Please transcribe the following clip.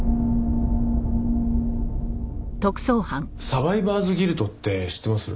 サバイバーズギルトって知ってます？